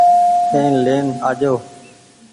اين لين آجو ۔